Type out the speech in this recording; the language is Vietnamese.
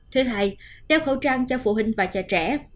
thứ hai đeo khẩu trang cho phụ huynh và cho trẻ